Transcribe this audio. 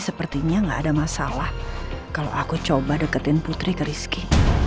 sepertinya gak ada masalah kalau aku coba deketin putri ke rizky